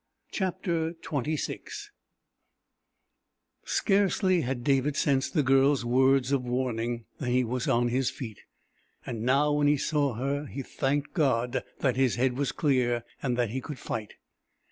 CHAPTER XXVI Scarcely had David sensed the Girl's words of warning than he was on his feet. And now, when he saw her, he thanked God that his head was clear, and that he could fight.